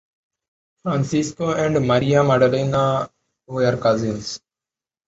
Francesco and Maria Maddalena were cousins.